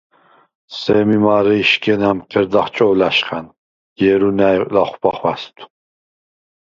სემი მა̄რე იშგენ ა̈მჴერდახ ჭო̄ლა̈შხა̈ნ, ჲერუ ნა̈ჲ ლახვბა ხვა̈სვდ.